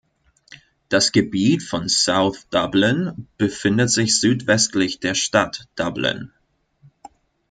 Das Gebiet von South Dublin befindet sich südwestlich der Stadt Dublin.